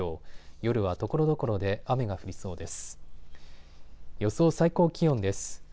夜はところどころで雨が降りそうです。